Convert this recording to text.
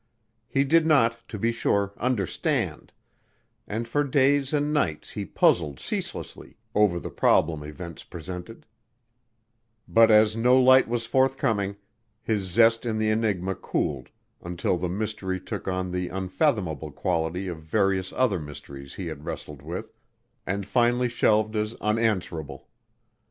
He did not, to be sure, understand, and for days and nights he puzzled ceaselessly over the problem events presented; but as no light was forthcoming, his zest in the enigma cooled until the mystery took on the unfathomable quality of various other mysteries he had wrestled with and finally shelved as unanswerable.